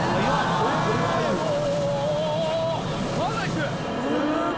まだいく！